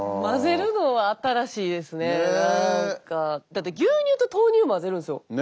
だって牛乳と豆乳を混ぜるんですよ。